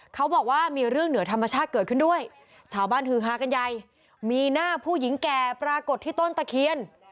เขาบอกว่ามีเรื่องเหนือธรรมชาติเกิดขึ้นด้วยชาวบ้านฮือฮากันใหญ่มีหน้าผู้หญิงแก่ปรากฏที่ต้นตะเคียน